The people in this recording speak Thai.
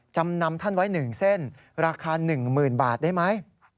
จำนำท่านไว้หนึ่งเส้นราคาหนึ่งหมื่นบาทได้ไหม